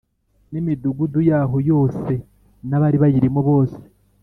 N imidugudu yaho yose n abari bayirimo bose